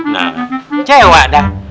nah cewek dah